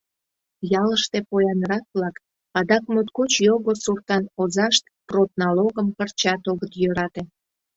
Ялыште поянрак-влак, адак моткоч його суртан озашт продналогым пырчат огыт йӧрате.